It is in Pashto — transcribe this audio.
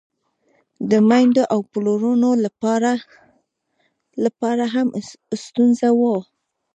د میندو او پلرونو له پاره هم ستونزه وه.